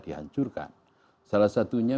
dihancurkan salah satunya